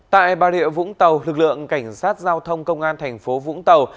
tại bà rịa vũng tàu lực lượng cảnh sát giao thông công an thành phố vũng tàu